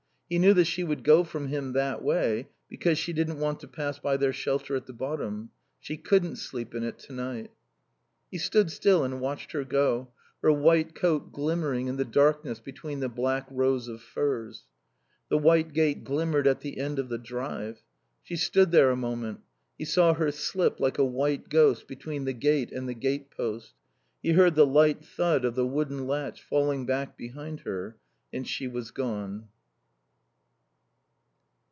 He knew that she would go from him that way, because she didn't want to pass by their shelter at the bottom. She couldn't sleep in it tonight. He stood still and watched her go, her white coat glimmering in the darkness between the black rows of firs. The white gate glimmered at the end of the drive. She stood there a moment. He saw her slip like a white ghost between the gate and the gate post; he heard the light thud of the wooden latch falling back behind her, and she was gone.